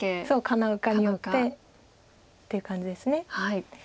かなうかによってっていう感じです。